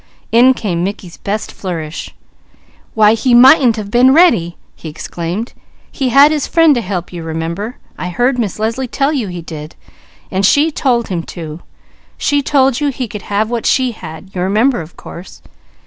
'" In came Mickey's best flourish. "Why he mightn't a been ready!" he exclaimed. "He had his friend to help you remember, I heard Miss Leslie tell you he did. And she told him to. She told you he could have what she had, you remember of course.